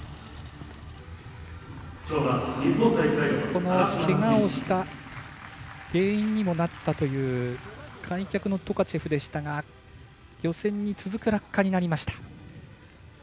この、けがをした原因にもなったという開脚のトカチェフでしたが予選に続く落下になりました。